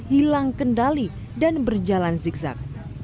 hilang kendali dan berjalan zigzag